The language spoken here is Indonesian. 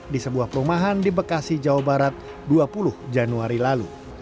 di sebuah perumahan di bekasi jawa barat dua puluh januari lalu